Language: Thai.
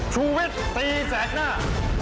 ชูวิทย์ตีแสกหน้า